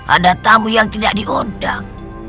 ada tamu yang tidak diundang